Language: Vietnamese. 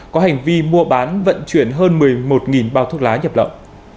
có hành vi mua bán vận chuyển hơn một mươi một bao thuốc lá nhập lậu